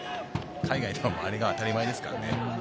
海外ではあれが当たり前ですからね。